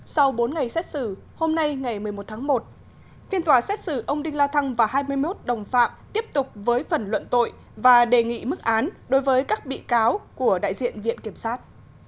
sau bốn ngày xét xử hôm nay ngày một mươi một tháng một phiên tòa xét xử ông đinh la thăng và hai mươi một đồng phạm tiếp tục với phần luận tội và đề nghị mức án đối với các bị cáo của đại diện viện kiểm sát